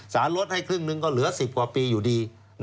ลดให้ครึ่งหนึ่งก็เหลือ๑๐กว่าปีอยู่ดี